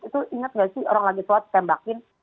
itu ingat nggak sih orang lagi tua tembakin